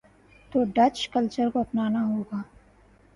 تو Dutch culture کو اپنا نا ہو گا۔